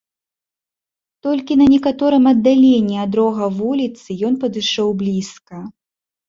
Толькі на некаторым аддаленні ад рога вуліцы ён падышоў блізка.